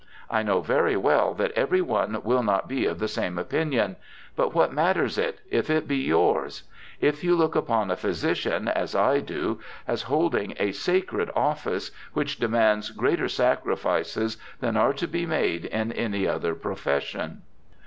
I know very well that every one will not be of the same opinion ; but what matters it, if it be yours? — if you look upon a physician, as I do, as holdmg a sacred office, which demands greater sacrifices than are to be made in any other profession.'